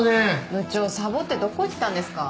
部長サボってどこ行ってたんですか？